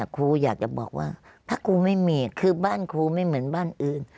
ครูอยากจะบอกว่าถ้าครูไม่มีคือบ้านครูไม่เหมือนบ้านอื่น